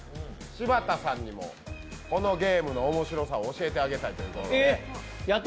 柴田さんにもこのゲームの面白さを教えてあげたいということでえっ